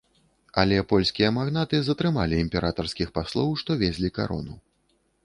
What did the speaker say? Але польскія магнаты затрымалі імператарскіх паслоў, што везлі карону.